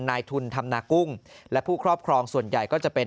นายทุนธรรมนากุ้งและผู้ครอบครองส่วนใหญ่ก็จะเป็น